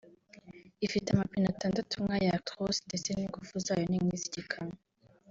ifite amapine atandatu nk’aya Actros ndetse n’ingufu zayo ni nk’izikamyo